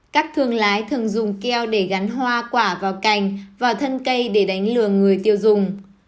các thương lái thường dùng keo để gắn hoa quả vào cành vào thân cây để đánh lừa người tiêu dùng